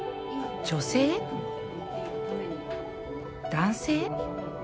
男性？